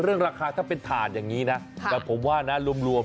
ซื้อเป็นถาดด้วย